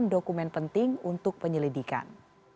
ini adalah dokumen penting untuk penyelidikan